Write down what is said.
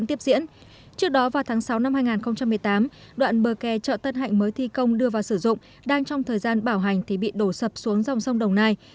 trước đó vào tháng sáu năm hai nghìn một mươi tám đoạn bờ kè chợ tân hạnh mới thi công đưa vào sử dụng đang trong thời gian bảo hành thì bị đổ sập xuống dòng sông đồng nai